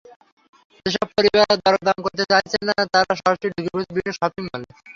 যেসব পরিবার দরদাম করতে চাইছে না, তারা সরাসরি ঢুকে পড়ছেন বিভিন্ন শপিং মলে।